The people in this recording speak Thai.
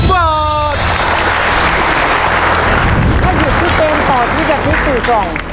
ถ้าหยุดที่เกมต่อชีวิตแบบนี้๔กล่อง